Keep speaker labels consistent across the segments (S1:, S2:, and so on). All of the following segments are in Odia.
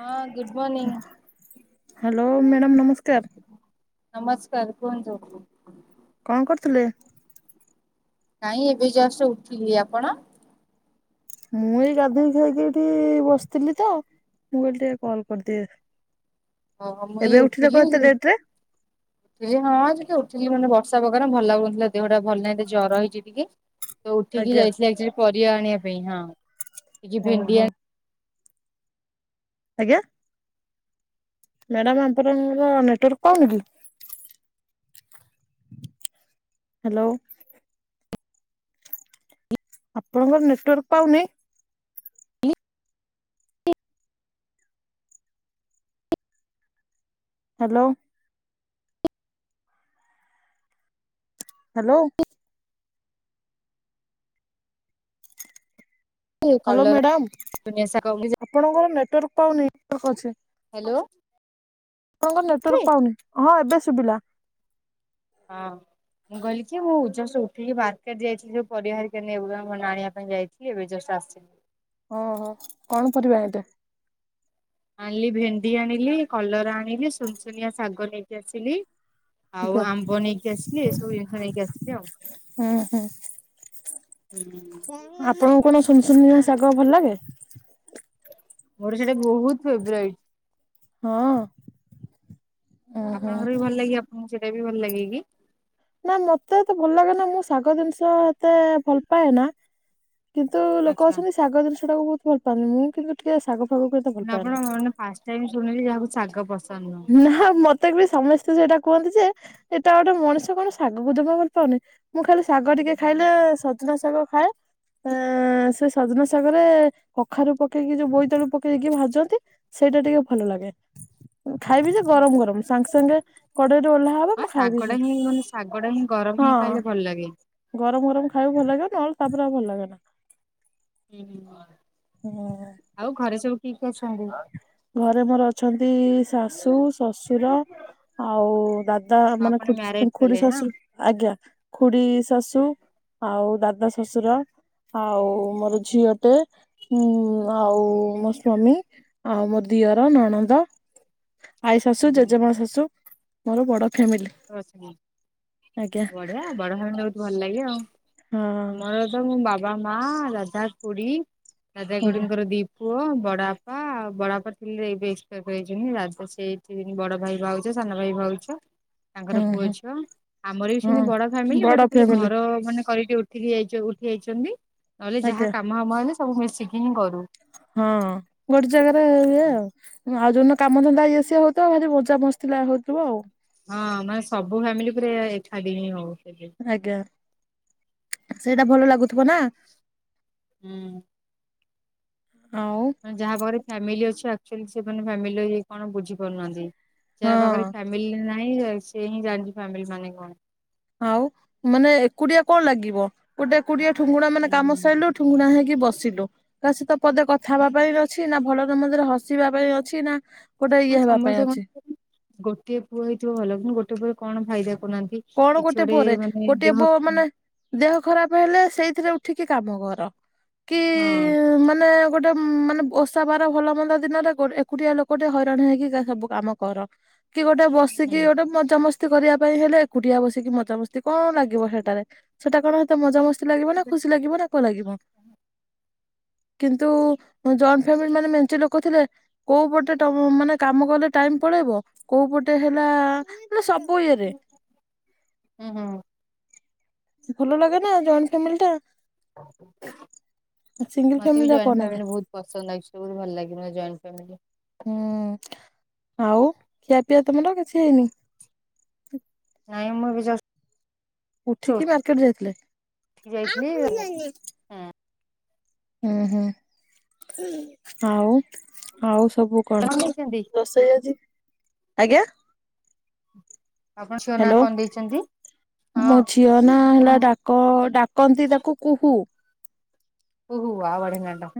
S1: ହଁ ଗୁଡ୍ ମନିଙ୍ଗି
S2: ହ୍ୟାଲୋ ମ୍ୟାଡ଼ାମ୍ ନମସ୍କାର
S1: ନମସ୍କାର କୁହନ୍ତୁ
S2: କଣ କରୁଥିଲେ
S1: ନାଇଁ ଏବେ ଜଷ୍ଟ ଉଠିଲି ଆପଣ
S2: ମୁଁ ଏଇ ଗାଧୋଇ ଖାଇକି ଏଠି ବସିଥିଲି ତ ମୁଁ କହିଲି ଟିକେ କଲ୍ କରିଦିଏ
S1: ହଁ ହଁ ମୁଁ
S2: ଏବେ
S1: ଏଇ
S2: ଉଠିଲେ କଣ ଏତେ
S1: ଉଠିିଲି
S2: ଲେଟ ରେ
S1: ଏଇ ହଁ ଉଠିଥିଲି ମାନେ ବର୍ଷା ପାଗ ଭଲ ଲାଗୁନଥିଲା ଦେହଟା ଭଲ ନାହିଁ ଜର ହେଇଛି ଟିକେ ତ ଉଠିକି
S2: ଆଜ୍ଞା।
S1: ଯାଇଥିଲି ପରିବା ଆଣିବା ପାଇଁ ହଁ କିଛି ଭେଣ୍ଡି
S2: ଓହୋ। ଆଜ୍ଞା ମ୍ୟାଡ଼ାମ୍ ଆପଣଙ୍କର ନେଟୱାର୍କ ପାଉନି କି ହ୍ୟାଲୋ ଆପଣଙ୍କର ନେଟୱାର୍କ ପାଉନି
S1: ଆଣି
S2: ହ୍ୟାଲୋ ହ୍ୟାଲୋ ହ୍ୟାଲୋ
S1: କଲରା
S2: ମ୍ୟାଡ଼ାମ୍
S1: ଦୁନିଆ ଶାଗ ହ୍ୟାଲୋ
S2: ଆପଣଙ୍କର ନେଟୱାର୍କ ପାଉନି ଅଛି
S1: ହ୍ୟାଲୋ
S2: ଆପଣଙ୍କ ନେଟୱାର୍କ ପାଉନି ହଁ ଏବେ ଶୁଭିଲା
S1: ହଁ ମୁଁ କହିଲି ମୁଁ ଜଷ୍ଟ ଉଠିକି ମାର୍କେଟ୍ ଯାଇଥିଲି ପରିବାର ଆଣିବା ପାଇଁ ଯାଇଥିଲି ଏବେ ଜଷ୍ଟ ଆସିଲି
S2: ଓଁ ହୋ କଣ ପରିବା ଆଣିଲେ
S1: ଆଣିଲି ଭେଣ୍ଡି ଆଣିଲି କଲରା ଆଣିଲି ଛୁନୁଛୁନିଆ ଶାଗ ନେଇକି ଆସିଲି ଆଉ
S2: ଆଜ୍ଞା
S1: ଆମ୍ବ ନେଇକି ଆସିଲି ଏଇ ସବୁ ଜିନିଷ ନେଇକି ଆସିଲି ଆଉ
S2: ହୁଁ ହୁଁ
S1: ହୁଁ
S2: ଆପଣଙ୍କୁ କଣ ଛୁନୁଛୁନିଆ ଶାଗ ଭଲ ଲାଗେ
S1: ମୋର ସେଇଟା ବହୁତ ଫେବରାଇଟ।
S2: ହଁ। ଓହୋ
S1: ଆପଣଙ୍କର ବି ଭଲ ଲାଗେ ଆପଣଙ୍କୁ ସେଇଟା ବି ଭଲ ଲାଗେ କି?
S2: ନା, ମତେ ତ ଭଲ ଲାଗେନା। ମୁଁ ଶାଗ ଜିନିଷ ଏତେ ଭଲ ପାଏ ନା। କିନ୍ତୁ ଲୋକ
S1: ଆଚ୍ଛା
S2: ଅଛନ୍ତି ଶାଗ ଜିନିଷଟାକୁ ବହୁତ ଭଲ ପାଆନ୍ତି। ମୁଁ କିନ୍ତୁ ଟିକେ ଶାଗ ଫାଗ
S1: ଆପଣ ମାନେ ଫାଷ୍ଟ ଟାଇମ ଶୁଣିଲି, ଯାହାକୁ ଶାଗ ପସନ୍ଦ ନୁହଁ।
S2: ନା, ମତେ ବି ସମସ୍ତେ ସେଇଟା କୁହନ୍ତି ଯେ, ଏଇଟା ଗୋଟେ ମଣିଷ କଣ, ଶାଗକୁ ଜମା ଭଲ ପାଉନି! ମୁଁ ଖାଲି ଶାଗ ଟିକେ ଖାଇଲେ ସଜନା ଶାଗ ଖାଏ। ଆ ସେ ସଜନା ସାଗରେ କଖାରୁ ପକେଇକି ଯୋଉ ବୋଇତାଳୁ ପକେଇକି ଭାଜନ୍ତି। ସେଇଟା ଟିକେ ଭଲ ଲାଗେ। ଖାଇବି ଯେ ଗରମ ଗରମ ସାଙ୍ଗେ ସାଙ୍ଗେ କଡେଇରେ ଓହ୍ଲା ହବ
S1: ହଁ
S2: ମୁଁ ଖାଇବି।
S1: ଶାଗଟା ହିଁ ମାନେ ଶାଗଟା ହିଁ ଗରମ ହିଁ
S2: ହଁ
S1: ଖାଇଲେ ଭଲ ଲାଗେ।
S2: ଗରମ ଗରମ ଖାଇକୁ ଭଲ ଲାଗେ, ନହେଲେ ତାପରେ ଆଉ ଭଲ ଲାଗେନା। ହୁଁ।
S1: [inaudible] ଆଉ ଘରେ ସବୁ କିଏ କିଏ ଅଛନ୍ତି?
S2: ଘରେ ମୋର ଅଛନ୍ତି ଶାଶୁ, ଶଶୁର ଆଉ ଦାଦା ମାନେ
S1: ଆପଣ
S2: ଖ
S1: ମ୍ୟାରେଜ
S2: ଖୁଡି
S1: କଲେ ନା?
S2: ଶାଶୁ ଆଜ୍ଞା, ଖୁଡି ଶାଶୁ ଆଉ ଦାଦା ଶଶୁର, ଆଉ ମୋର
S1: ଆଚ୍ଛା ଆଚ୍ଛା।
S2: ଝିଅଟେ ଉଁ ଆଉ ମୋ ସ୍ଵାମୀ। ଆଉ ମୋ ଦିଅର, ନଣନ୍ଦ ଆଈ ଶାଶୁ ଜେଜେମା ଶାଶୁ। ମୋର ବଡ଼ ଫ୍ୟାମିଲି।
S1: [inaudible]
S2: ଆଜ୍ଞା
S1: ବଢିଆ ବଡ ଫ୍ୟାମିଲି ବହୁତ ଭଲ ଲାଗେ
S2: ହଁ
S1: ଆଉ। ତ ମୁଁ ବାବା, ମା, ଦାଦା, ଖୁଡି ଦାଦା
S2: ଆଜ୍ଞା
S1: ଖୁଡିଙ୍କର ଦି ପୁଅ ବଡ ବାପା ବଡ ବାପା ଥିଲେ, ଏବେ ଏକ୍ସପାର୍ କରିଯାଇଛନ୍ତି। ରାଜ ସେଇଠ ବଡ ଭାଇ ଭାଉ ସାନ ଭାଇ ଭାଉଜ
S2: ହୁଁ
S1: ତାଙ୍କର ପୁଅ
S2: ହୁଁ
S1: ଝିଅ, ଆମର ବି ସେ ବଡ
S2: ହୁଁ
S1: ଫ୍ୟାମିଲି
S2: ବଡ
S1: ବଟ୍ ଖାଲି
S2: ଫ୍ୟାମିଲି
S1: ଘର ମାନେ କରିକି ଉ ଠିକି ଯ ଉଠି ଯାଇଛନ୍ତି। ନହେଲେ,
S2: ଆଜ୍ଞା
S1: ଯାହା କାମ ଖାମ ହେଲେ ସବୁ ମିଶିକି ହିଁ କରୁ।
S2: ହଁ, ଗୋଟେ ଜାଗାରେ ଇଏ ଆଉ। ଆଉ ଯୋଉ ଦିନ କାମ ଧନ୍ଦା ଇଏ ସିଏ ହଉଥିବ, ଭାରି ମଜା ମସ୍ତି ହଉଥିବ।
S1: ହଁ, ମାନେ ସବୁ ଫ୍ୟାମିଲି ପୁରା ଏକାଠି ହିଁ ହଉଥିଲେ।
S2: ଆଜ୍ଞା, ସେଇଟା ଭଲ ଲାଗୁଥିବ ନା?
S1: ହୁଁ।
S2: ଆଉ।
S1: ଯାହା ପାଖରେ ଫ୍ୟାମିଲି ଅଛି, ଆକ୍ଚୁଲି ସେ ଫ୍ୟାମିଲି କଣ ବୁଝିପାରୁନାହାନ୍ତି। ଯାହା
S2: ହଁ
S1: ପାଖରେ ଫ୍ୟାମିଲି ନାହିଁ, ସେ ହିଁ ଜାଣିଛି ଫ୍ୟାମିଲି ମାନେ କଣ।
S2: ଆଉ ମାନେ, ଏକୁଡିଆ କଣ ଲାଗିବ? ଗୋଟେ ଏକୁଟିଆ ଠୁଙ୍ଗୁଣା ମାନେ କାମ
S1: ହୁଁ
S2: ସାରିଲୁ ଠୁଙ୍ଗୁଣା ହେଇକି ବସିଲୁ। କା ସହିତ ପଦେ କଥା ହେବା ପାଇଁ ଅଛି ନା ଭଲ ମନ୍ଦରେ ହସିବା ପାଇଁ ଅଛି ନା ଗୋଟେ
S1: ନା,
S2: ଇଏ ହେବା ପାଇଁ
S1: ସମସ୍ତେ
S2: ଅଛି
S1: କହନ୍ତି, [inaudible] ଗୋଟିଏ ପୁଅ ହେଇଥିବ ଭଲ, କିନ୍ତୁ ଗୋଟି ରେ କଣ ଫାଇଦା? କରୁନାହାନ୍ତି
S2: କଣ
S1: କିଛି ଗୋଟେ?
S2: ପୁଅରେ
S1: ମାନେ
S2: ଗୋଟିଏ
S1: ଦେହ
S2: ପୁଅ ମାନେ ଦେହ ଖରାପ ହେଲେ, ସେଇଥିରେ ଉଠିକି କାମ କର କି?
S1: ହଁ।
S2: ମାନେ, ଗୋଟେ ମାନେ ଓଷାବାର ଭଲମନ୍ଦ ଦିନରେ, ଏକୁଟିଆ ଲୋକ ଟେ ହଇରାଣ ହେଇକି ସବୁ କାମ କର। କି ଗୋଟେ ବସିକି
S1: ହୁଁ
S2: ଗୋଟେ ମଜାମସ୍ତି କରିବା ପାଇଁ ହେଲେ, ଏକୁଟିଆ ବସିକି ମଜାମସ୍ତି। କଣ ଲାଗିବ ସେଟାରେ? ସେଟା କଣ ସେତେ
S1: ହୁଁ
S2: ମଜାମସ୍ତି ଲାଗିବ ନା? ଖୁସି ଲାଗିବ ନା କଣ ଲାଗିବ? [inaudible] କିନ୍ତୁ ଜଏଣ୍ଟ ଫ୍ୟାମିଲି ମାନେ, ମେଞ୍ଚେ ଲୋକ ଥିଲେ କୋଉପଟେ ଟ ମାନେ କାମ କଲେ ଟାଇମ୍ ପଳେଇବ? କୋଉପଟେ ହେଲା, ମାନେ ସବୁ ଇଏରେ।
S1: ହୁଁ ହୁଁ।
S2: ଭଲ ଲାଗେ ନା ଜଏଣ୍ଟ ଫ୍ୟାମିଲିଟା। ସିଙ୍ଗଲ
S1: ମତେ
S2: ଫ୍ୟାମିଲି
S1: ବି
S2: ଟା କଣ
S1: ଜଏଣ୍ଟ
S2: ଲାଗେ
S1: ଫ୍ୟାମିଲି ବହୁତ ପସନ୍ଦ ଲାଗୁଛି ବହୁତ ଭଲ ଲାଗେ ଜଏଣ୍ଟ ଫ୍ୟାମିଲି।
S2: ହୁଁ, ଆଉ ଖିଆପିଆ ତମର କିଛି ହେଇନି?
S1: ନାଇଁ ମୁଁ ଏବେ ଜଷ୍
S2: ଉଠିକି ମାର୍କେଟ ଯାଇଥିଲେ?
S1: ଉଠିକି ଯାଇଥିଲି
S2: [unintelligible] ହୁଁ ହୁଁ, ଆଉ ଆଉ ସବୁ କଣ ରଷେଇ ଆଜି ଆଜ୍ଞା?
S1: ଆପଣ ଝିଅ ନାଁ
S2: ହ୍ୟାଲୋ,
S1: କଣ ଦେଇଛନ୍ତି
S2: ମୋ
S1: ହଁ
S2: ଝିଅ ନାଁ
S1: କଣ
S2: ହେଲା ଡ଼ା କ ଡାକନ୍ତି ତାକୁ କୁହୁ।
S1: କୁହୁ ୱାଉ ବଢ଼ିଆ ନାଁଟା।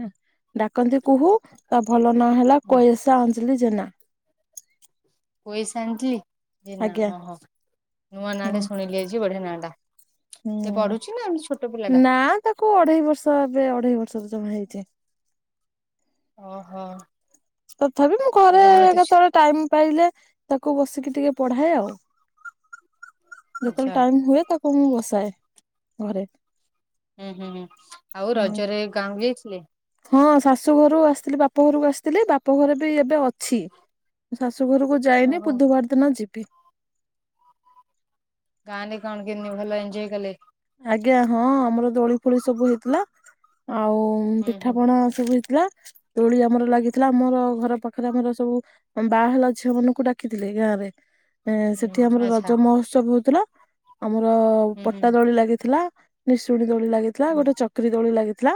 S2: ଡାକନ୍ତି କୁହୁ, ତା ଭଲ ନାଁ ହେଲା କଏଲ୍ସା ଅଞ୍ଜଲି ଜେନା।
S1: କୋଏସା ଅଞ୍ଜଲି ଜେନା
S2: ଆଜ୍ଞା
S1: ଅହୋ, ନୂଆ ନାଁଆଟେ
S2: ହୁଁ।
S1: ଶୁଣିଲି ଆଜି ବଢ଼ିଆ ନାଁଟା। ସେ
S2: ହୁଁ
S1: ପଢୁଛି ନା ଏମିତି ଛୋଟ ପିଲାଟା?
S2: ନା ତାକୁ ଅଢେଇ ବର୍ଷ ଏବେ ଅଢେଇ ବର୍ଷର ଜମା ହେଇଛି।
S1: ଅହୋ।
S2: ତଥାପି ମୁଁ ଘରେ କେତେବେଳେ ଟାଇମ୍ ପାଇଲେ ତାକୁ ବସିକି ଟିକେ ପଢ଼ାଏ ଆଉ। ଯେତଳେ
S1: ଆଚ୍ଛା
S2: ଟାଇମ୍ ହୁଏ ତାକୁ ମୁଁ ବସାଏ ଘରେ।
S1: ହୁଁ ହୁଁ ହୁଁ, ଆଉ
S2: ହୁଁ।
S1: ରଜରେ ଗାଁକୁ ଯାଇଥିଲେ?
S2: ହଁ ଶାଶୁଘରୁ ଆସିଥିଲି ବାପଘରକୁ ଆସିଥିଲି ବାପଘରେ ବି ଏବେ ଅଛି। ଶାଶୁ ଘରକୁ ଯାଇନି
S1: ଓହୋ
S2: ବୁଧୁବାର ଦିନ ଯିବି।
S1: ଗାଁରେ କଣ କେମିତି ଭଲ ଏଞ୍ଜୟ କଲେ?
S2: ଆଜ୍ଞା ହଁ ଆମର ଦୋଳି ଫୋଳି ସବୁ ହେଇଥିଲା, ଆଉ ଉଁ
S1: ହୁଁ ହୁଁ
S2: ପିଠାପଣା ସବୁ ହେଇଥିଲା, ଦୋଳି ଆମର ଲାଗିଥିଲା ଆମର ଘର ପାଖରେ ଆମର ସବୁ ଆମ୍ ବାହା ହେଲା ଝିଅ ମାନଙ୍କୁ ଡାକିଥିଲେ ଗାଁରେ। ଏଁ
S1: ହୁଁ
S2: ସେଠି ଆମର
S1: ଆଚ୍ଛା
S2: ରଜ ମହୋତ୍ସବ ହଉଥିଲା, ଆମର
S1: ହୁଁ ହୁଁ
S2: ପଟା ଦୋଳି ଲାଗିଥିଲା। ନିଶୁଣୀ ଦୋଳି ଲାଗିଥିଲା
S1: ହୁଁ
S2: ଗୋଟେ ଚକ୍ରି ଦୋଳି ଲାଗିଥିଲା,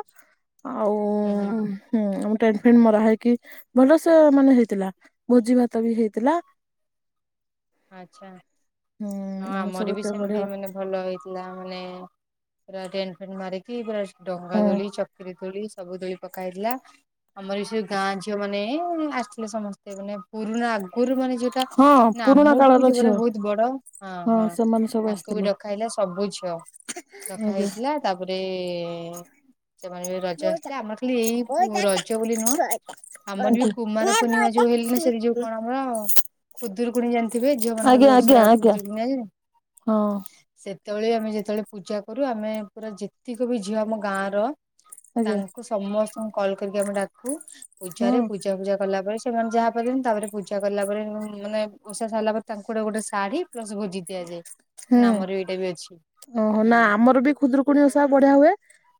S2: ଆଉ
S1: ହୁଁ ହୁଁ।
S2: ହୁଁ ଆମ ଟେଣ୍ଟ୍ ଫେଣ୍ଟ୍ ମରା ହେଇକି ଭଲସେ ମାନେ ହେଇଥିଲା। ଭୋଜି ଭାତ ବି ହେଇଥିଲା।
S1: ଆଚ୍ଛା,
S2: ହୁଁ
S1: ହଁ
S2: ଆମ ସବୁ
S1: ଆମର ବି
S2: ଏତେ ବଢିଆ
S1: ସେମିତି ମାନେ ଭଲ ହେଇଥିଲା ମାନେ ପୁରା ଟେଣ୍ଟ୍ ଫେଣ୍ଟ୍ ମାରିକି ପୁରା ସ୍
S2: ହଁ
S1: ଡଙ୍ଗାଦୋଳି ଚ କିରି ଦୋଳି ସବୁ ଦୋଳି ପକାହେଇଥିଲା। ଆମର ଏସବୁ ଗାଁ ଝିଅ ମାନେ ଆସିଥିଲେ ସମସ୍ତେ ମାନେ ପୁରୁଣା ଆଗରୁ ମାନେ ଯୋଉଟା
S2: ହଁ
S1: ନା
S2: ପୁରୁଣା
S1: ଆମଠୁ ବି
S2: କାଳର
S1: ଯୋଉମାନେ
S2: ଝିଅ
S1: ବହୁତ ବଡ ହଁ ହଁ
S2: ସେମାନେ ସବୁ
S1: ତାଙ୍କୁ ବି
S2: ଆସିଥିଲେ।
S1: ଡକା ହେଇଥିଲା ସବୁ ଝିଅ।
S2: ଆଜ୍ଞା
S1: ଡକାହେଇଥିଲା ତାପରେ ସେମାନେ ବି ରଜ ଆସଥିଲେ, ଆମର ଖାଲି ଏଇ ରଜ ବୋଲି ନୁହଁ ଆମର ବି କୁମାର ପୂର୍ଣ୍ଣିମା ଯୋଉ ହେଲେ [unintelligible] ସେଟି ଯୋଉ କଣ ଆମର ଖୁଦୁରୁକୁଣୀ ଜାଣିଥିବେ ଝିଅ ମାନଙ୍କ
S2: ଆଜ୍ଞା
S1: ଯୋଉ
S2: ଆଜ୍ଞା ଆଜ୍ଞା
S1: ଓଷାଟା
S2: ଆଜ୍ଞା
S1: ଖୁଦୁରୁକୁଣୀ [unintelligible]
S2: ହଁ
S1: ସେତବେଳେବି ଆମେ ଯେତଳେ ପୂଜା କରୁ ଆମେ ପୁରା ଯେତିକ ବି ଝିଅ ଆମ ଗାଁଆର
S2: ଆଜ୍ଞା
S1: ତାଙ୍କୁ ସମସ୍ତଙ୍କୁ କଲ୍ କରିକି ଆମେ ଡାକୁ,
S2: ହଁ
S1: ପୂଜାରେ ପୂଜା ଫୂଜା କଲାପରେ ସେମାନେ ଯାହା [unintelligible] ତାପରେ ପୂଜା କଲା ପରେ ମାନେ ଓଷା ସାରିଲା ପରେ ତାଙ୍କୁ ଗୋଟେ ଗୋଟେ ଶାଢ଼ୀ ପ୍ଲସ୍ ଭୋ
S2: ହୁଁ, ଓହୋ
S1: ହୁଁ
S2: ନା ଆମର ବି ଖୁଦୁରୁ କୁଣି ଓଷା ବଢିଆ ହୁଏ,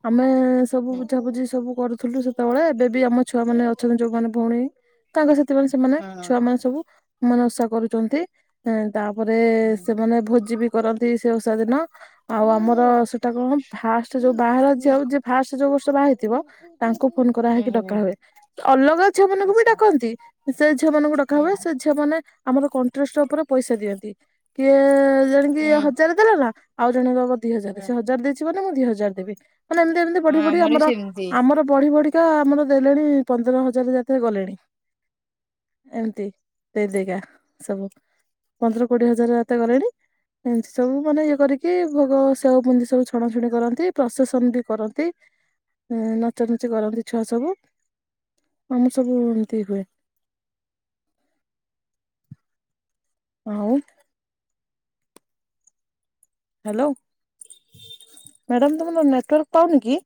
S2: ଆମେ ସବୁ
S1: ହୁଁ
S2: ବୁଝାବୁଝି ସବୁ କରୁଥିଲୁ, ସେ ସେତେବେଳେ, ଏବେ ବି ଆମ ଛୁଆ ମାନେ ଅଛନ୍ତି ଯୋଉମାନେ ଭଉଣୀ, ତାଙ୍କ ସାଥି ମାନେ ସେମାନେ,
S1: ହଁ
S2: ଛୁଆ
S1: ହଁ
S2: ମାନେ ସବୁ ସେମାନେ ଓଷା କରୁଚନ୍ତି, ତାପରେ
S1: ହୁଁ
S2: ମାନେ ଭୋଜି ବି କରନ୍ତି ସେ ଓଷା ଦିନ, ଆଉ ଆମର ସେଟା କଣ ଫାଷ୍ଟ୍ ଯୋଉ ବାହାଘର ଝିଅ ହଉଚି, ଫାଷ୍ଟ୍ ଯୋଉ ବର୍ଷ ବାହା ହେଇଥିବ ତାଙ୍କୁ ଫୋନ୍ କରାହେଇକି
S1: ହୁଁ ହୁଁ
S2: ଡକା ହୁଏ, ଅଲଗା ଝିଅ ମାନଙ୍କୁ ବି
S1: ଆଚ୍ଛା
S2: ଡାକନ୍ତି ସେ ଝିଅ ମାନଙ୍କୁ
S1: ହୁଁ
S2: ଡକାହୁଏ, ସେ ଝିଅ ମାନେ ଆମର କଣ୍ଟ୍ରେଷ୍ଟ୍ ଉପରେ ପଇସା ଦିଅନ୍ତି, କିଏ ଜଣେ
S1: ହୁଁ
S2: କିଏ ହଜାର ଦେଲା ନା, ଆଉ ଜଣେ ଦବ ଦି
S1: ହଁ।
S2: ହଜାର, ସେ ହଜାରେ ଦେଇଚି ମାନେ ମୁଁ ଦି ହଜାର ଦେବି। ମାନେ ଏମିତି ଏମିତି
S1: ହଁ
S2: ବଢି ବଢି
S1: ବି
S2: ଆମର,
S1: ସେମିତି।
S2: ଆମର ବଢି ବଢିକା ଆମର ଦେଲେଣି ପନ୍ଦର ହଜାର ଯାକେ ଗଲେଣି। ଏମିତି ଦେଇ ଦେଇକା ସବୁ, ପନ୍ଦର କୋଡିଏ ହଜାର ଯାତେ ଗଲେଣି। ଏମିତି ସବୁ ମାନେ ଇଏ କରିକି, ଭୋଗ ସେଓ ବୁନ୍ଦି ସବୁ ଛଣାଛୁଣି କରନ୍ତି, ପ୍ରସେସନ୍ ବି କରନ୍ତି। ନଚା ନଚି କରନ୍ତି ଛୁଆ ସବୁ, ଆମ ସବୁ ଏମିତି ହୁଏ। ଆଉ ହାଲୋ, ମ୍ୟାଡ଼ାମ୍ ତୁମର ନେଟୱାର୍କ ପାଉନି କି?